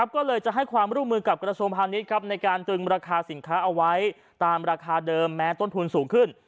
ก็เลยจะให้ความร่วมมือกับกระทรวงพาณิชย์ในการตึงราคาสินค้าเอาไว้ตามราคาเดิมแม้ต้นทุนสูงขึ้น